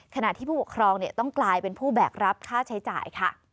ขณะที่ผู้ปกครองต้องกลายเป็นผู้แบกรับค่าใช้จ่ายค่ะ